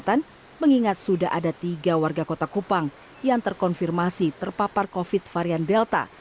kesehatan mengingat sudah ada tiga warga kota kupang yang terkonfirmasi terpapar covid varian delta